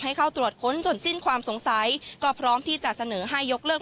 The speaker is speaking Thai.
ให้เข้าตรวจค้นจนสิ้นความสงสัยก็พร้อมที่จะเสนอให้ยกเลิก